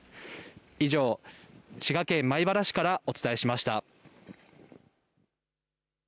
以上、滋賀県米原市からお伝えしました。